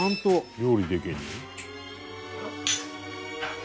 「料理できるの？」